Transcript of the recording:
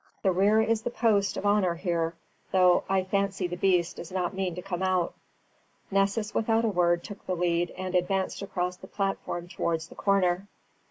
"The rear is the post of honour here, though I fancy the beast does not mean to come out." Nessus without a word took the lead, and advanced across the platform towards the corner.